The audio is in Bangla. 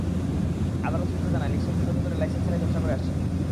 আদালত সূত্র জানায়, লিকসন দীর্ঘদিন ধরে লাইসেন্স ছাড়াই ব্যবসা করে আসছেন।